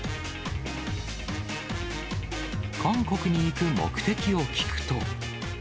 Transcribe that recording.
韓国に行く目的を聞くと。